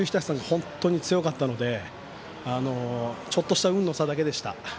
本当に強かったのでちょっとした運の差だけでした。